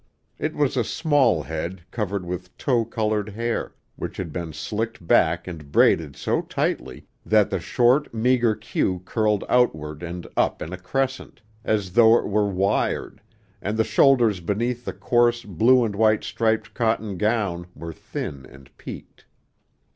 It was a small head covered with tow colored hair, which had been slicked back and braided so tightly that the short, meager cue curled outward and up in a crescent, as though it were wired, and the shoulders beneath the coarse blue and white striped cotton gown were thin and peaked.